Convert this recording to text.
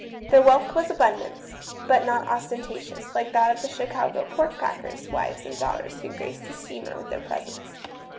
Their wealth was abundant, but not ostentatious, like that of the Chicago pork packers 7 wives and daughters who graced the steamer with their presence.